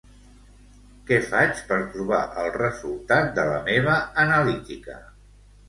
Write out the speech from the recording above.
Què faig per trobar el resultat de la meva analítica?